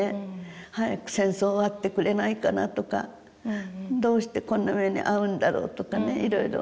「早く戦争終わってくれないかな」とか「どうしてこんな目に遭うんだろう」とかねいろいろ。